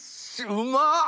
うまっ！